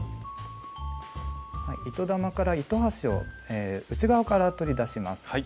糸玉から糸端を内側から取り出します。